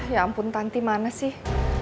ya ampun tanti mana sih